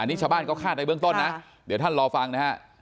นี่ชาวบ้านเขาคาดในเบื้องต้นนะเดี๋ยวท่านรอฟังนะฮะ